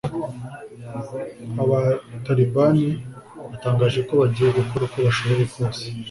Abataribani batangaje ko bagiye gukora uko bashoboye kose